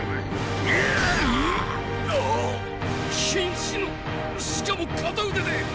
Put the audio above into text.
⁉瀕死のしかも片腕でっ。